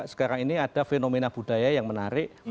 sekarang ini ada fenomena budaya yang menarik